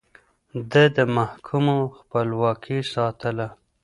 ده د محکمو خپلواکي ساتله.